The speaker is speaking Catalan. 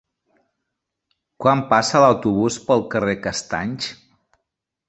Quan passa l'autobús pel carrer Castanys?